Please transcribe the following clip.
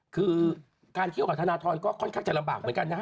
คือการเที่ยวกับธนทรก็ค่อนข้างจะลำบากเหมือนกันนะฮะ